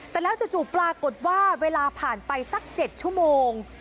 แต่แล้วจู่ปรากฏว่าเวลาผ่านไปสัก๗ชั่วโมง